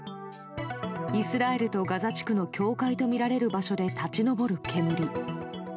イスラエルとガザ地区の境界とみられる場所で立ち上る煙。